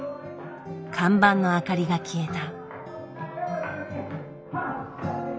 看板の明かりが消えた。